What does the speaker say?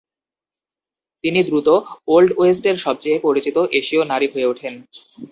তিনি দ্রুত ওল্ড ওয়েস্টের সবচেয়ে পরিচিত এশীয় নারী হয়ে ওঠেন।